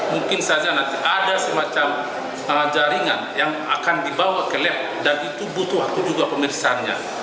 mungkin saja nanti ada semacam jaringan yang akan dibawa ke lab dan itu butuh waktu juga pemeriksaannya